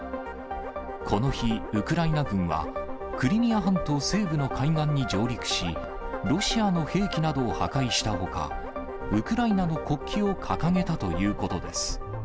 この日、ウクライナ軍は、クリミア半島西部の海岸に上陸し、ロシアの兵器などを破壊したほか、ウクライナの国旗を掲げたということです。